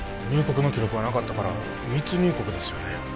入国の記録はなかったから密入国ですよね